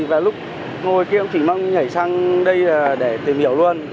và lúc ngồi kia cũng chỉ mong nhảy sang đây để tìm hiểu luôn